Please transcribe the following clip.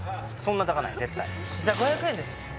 じゃあ５００円です